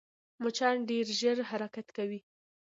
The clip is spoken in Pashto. مچان ډېر ژر حرکت کوي